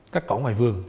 cắt cỏ ngoài vườn